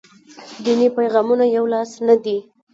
دیني پیغامونه یولاس نه دي.